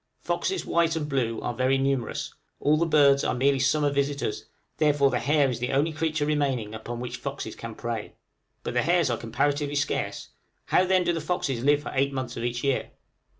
Foxes, white and blue, are very numerous; all the birds are merely summer visitors, therefore the hare is the only creature remaining upon which foxes can prey; but the hares are comparatively scarce: how then do the foxes live for eight months of each year?